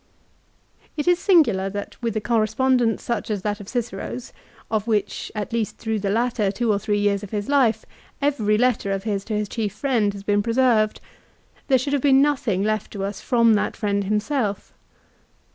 It is singular that with a correspondence such as that of Cicero's, of which, at least through the latter two or three years of his life, every letter of his to his chief friend has been preserved, there should have been nothing left to us from that friend himself.